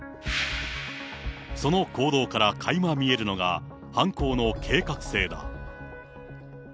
その行動からかいま見えるのが、犯行の計画性だ。